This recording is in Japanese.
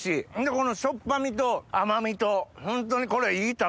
このしょっぱ味と甘味とホントにこれいい食べ方。